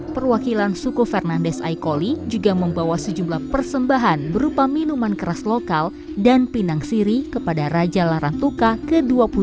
perwakilan suku fernandes aikoli juga membawa sejumlah persembahan berupa minuman keras lokal dan pinang siri kepada raja larantuka ke dua puluh dua